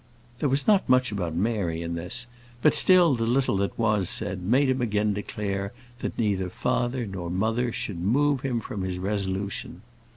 There was not much about Mary in this; but still, the little that was said made him again declare that neither father nor mother should move him from his resolution.